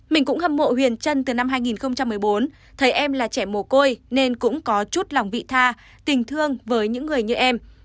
mình cũng hâm mộ huyền trân từ năm hai nghìn một mươi bốn thấy em là trẻ mồ côi nên cũng có chút lòng vị tha tình thương với những người như em